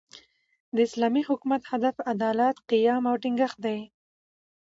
د اسلامي حکومت، هدف عدالت، قیام او ټینګښت دئ.